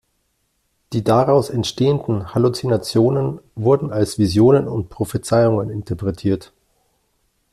Die daraus entstehenden Halluzinationen wurden als Visionen und Prophezeiungen interpretiert.